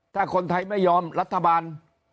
ถ้าคนไทยไม่ยอมรัฐบาล